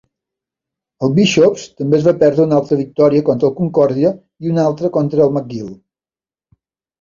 El Bishop's també es va perdre una altra victòria contra el Concordia i una contra el McGill.